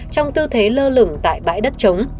trong tư thế lơ lửng tại bãi đất chống